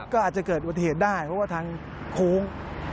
ก็อาจจะเกิดอุบัติเหตุได้เพราะว่าทางโค้ง